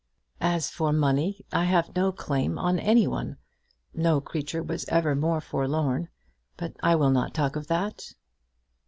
"As for money, I have no claim on any one. No creature was ever more forlorn. But I will not talk of that."